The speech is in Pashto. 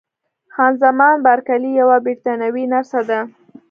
خان زمان بارکلي یوه بریتانوۍ نرسه ده.